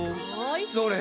それ！